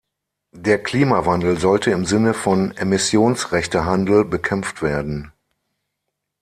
Der Klimawandel sollte im Sinne von Emissionsrechtehandel bekämpft werden.